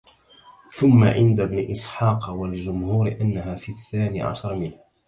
ثم عند ابن إسحاق والجمهور أنها في الثاني عشر منه